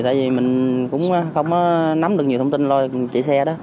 tại vì mình cũng không nắm được nhiều thông tin lôi chạy xe đó